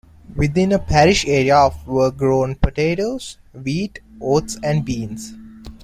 Within a parish area of were grown potatoes, wheat, oats and beans.